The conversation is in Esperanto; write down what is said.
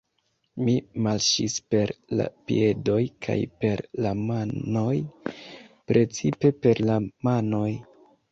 Mi marŝis per la piedoj kaj per la manoj, precipe per la manoj.